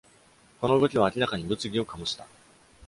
この動きは明らかに物議を醸した。